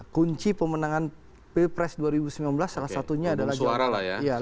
kunci pemenangan pilpres dua ribu sembilan belas salah satunya adalah jawa barat